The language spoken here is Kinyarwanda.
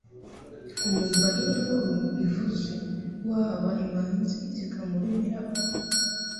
Wumva induru ivuzeWaba imanzi zikamuremeraho